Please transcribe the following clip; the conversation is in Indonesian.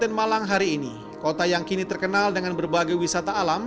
kabupaten malang hari ini kota yang kini terkenal dengan berbagai wisata alam